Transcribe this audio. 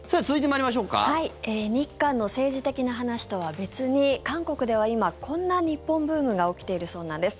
日韓の政治的な話とは別に韓国では今、こんな日本ブームが起きているそうなんです。